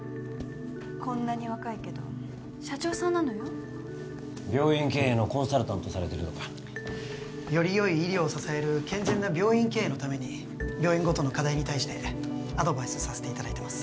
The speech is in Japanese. こんなに若いけど社長さんなのよ病院経営のコンサルタントをされてるとかよりよい医療を支える健全な病院経営のために病院ごとの課題に対してアドバイスさせていただいてます